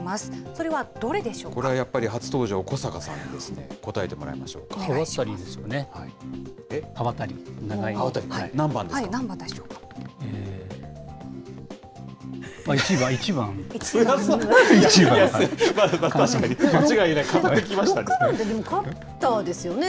これはやっぱり初登場、小坂さんですね、答えてもらいましょ刃渡りですよね。